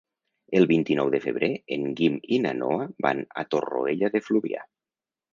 El vint-i-nou de febrer en Guim i na Noa van a Torroella de Fluvià.